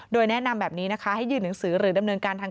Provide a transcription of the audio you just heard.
โดยแนะนำแบบนี้นะคะให้ยื่นหนังสือหรือดำเนินการทาง